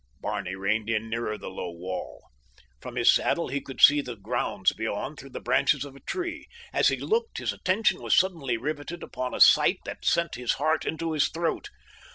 Barney reined in nearer the low wall. From his saddle he could see the grounds beyond through the branches of a tree. As he looked his attention was suddenly riveted upon a sight that sent his heart into his throat.